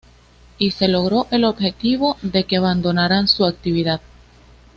Y se logró el objetivo de que abandonaran su actividad.